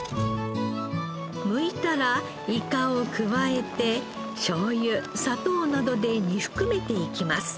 むいたらイカを加えてしょうゆ砂糖などで煮含めていきます。